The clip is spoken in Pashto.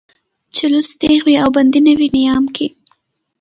چې لوڅ تېغ وي او بندي نه وي نيام کې